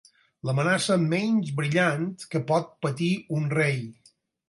L'amenaça menys brillant que pot patir un rei.